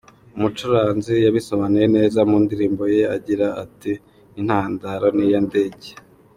Umucuranzi yabisobanuye neza mu ndirimbo ye agira ati:”intandaro ni ya ndege”!